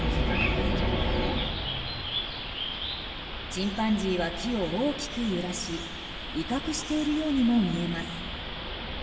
チンパンジーは木を大きく揺らし威嚇しているようにも見えます。